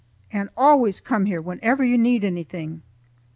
And always come here whenever you need anything."